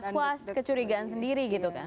was was kecurigaan sendiri gitu kan